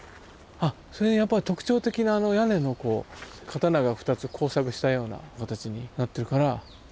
それにやっぱり特徴的な屋根のこう刀が２つ交錯したような形になってるから絶対これだ。